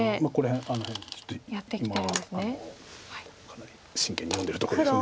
かなり真剣に読んでるとこです。